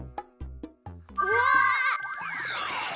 うわ！